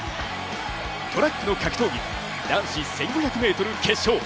トラックの格闘技、男子１５００ｍ決勝。